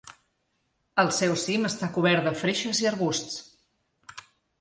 El seu cim està cobert de freixes i arbusts.